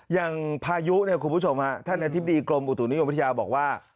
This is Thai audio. พายุเนี่ยคุณผู้ชมฮะท่านอธิบดีกรมอุตุนิยมวิทยาบอกว่า